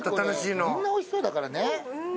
みんなおいしそうだからね。